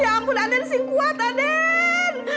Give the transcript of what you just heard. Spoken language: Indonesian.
ya ampun aden singkuat aden